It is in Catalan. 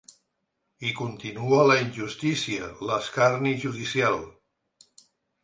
I continua la injustícia, l’escarni judicial.